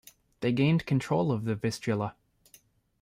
They gained control of the Vistula.